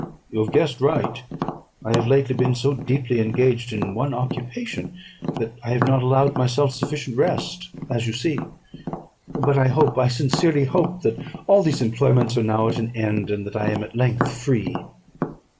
"You have guessed right; I have lately been so deeply engaged in one occupation, that I have not allowed myself sufficient rest, as you see: but I hope, I sincerely hope, that all these employments are now at an end, and that I am at length free."